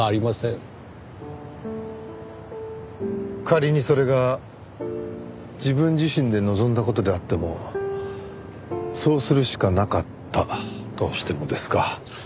仮にそれが自分自身で望んだ事であってもそうするしかなかったとしてもですか？